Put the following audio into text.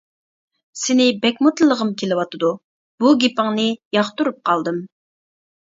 -سېنى بەكمۇ تىللىغۇم كېلىۋاتىدۇ. -بۇ گېپىڭنى ياقتۇرۇپ قالدىم.